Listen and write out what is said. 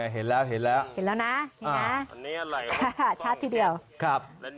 เห็นแล้วนะชัดทีเดียวครับ